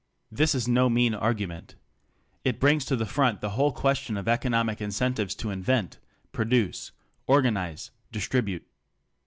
This is no mean argument. It brings to the front the whole question of economic incentives to invent, produce, organize, distribute.